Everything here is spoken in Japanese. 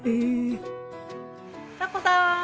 和子さん。